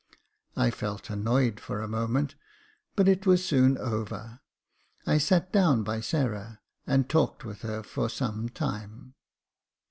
I felt annoyed for a moment, but it was soon over. I sat down by Sarah, and talked with her for some time.